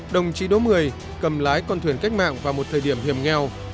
đồng chí đỗ mười cầm lái con thuyền cách mạng vào một thời điểm hiểm nghèo